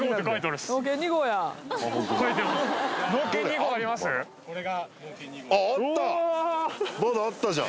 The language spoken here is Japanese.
まだあったじゃん